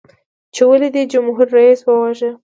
چې ولې دې جمهور رئیس وواژه؟